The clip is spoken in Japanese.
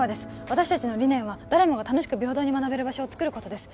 私達の理念は誰もが楽しく平等に学べる場所を作ることです